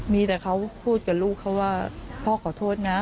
มีแต่เขาพูดกับลูกเขาว่าพ่อขอโทษนะ